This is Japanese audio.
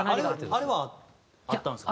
あれはあったんですか？